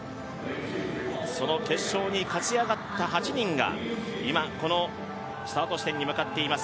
その決勝に勝ち上がった８人が今、このスタート地点に向かっています。